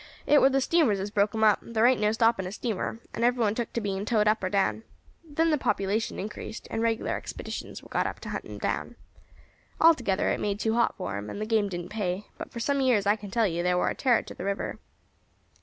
It war the steamers as broke 'em up; thar ain't no stopping a steamer, and every one took to being towed up or down. Then the population increased, and regular expeditions war got up to hunt 'em down. Altogether it got made too hot for 'em, and the game didn't pay; but for some years, I can tell you, they war a terror to the river."